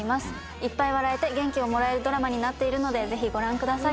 いっぱい笑えて元気をもらえるドラマになっているのでぜひご覧ください。